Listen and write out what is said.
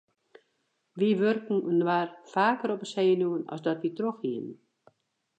Wy wurken inoar faker op 'e senuwen as dat wy trochhiene.